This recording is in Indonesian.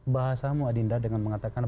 bahasamu adinda dengan mengatakan